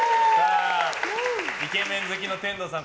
イケメン好きの天童さん